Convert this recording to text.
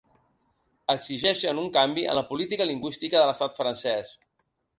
Exigeixen un canvi en la política lingüística de l’estat francès.